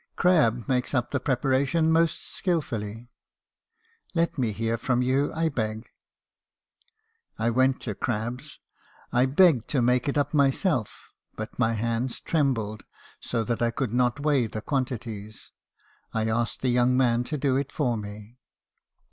Crabbe makes up the preparation most skilfully. Let me hear from you , I beg.' "I went to Crabbe's , I begged to make it up myself; but my hands trembled, so that 1 could not weigh the quantities. I asked the young man to do it for me.